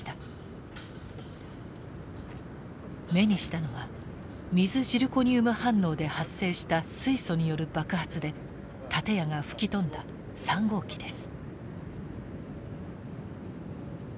目にしたのは水ジルコニウム反応で発生した水素による爆発で建屋が吹き飛んだ３号機です。